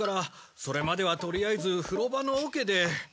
それまではとりあえず風呂場のおけで。